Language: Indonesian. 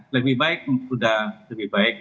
lebih baik sudah lebih baik